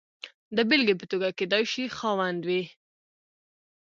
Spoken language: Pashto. د بېلګې په توګه کېدای شي خاوند وي.